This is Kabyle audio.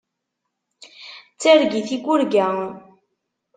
D targit i yurga.